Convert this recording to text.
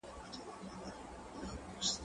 زه اوس سیر کوم